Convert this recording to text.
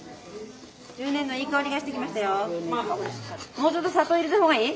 もうちょっと砂糖入れた方がいい？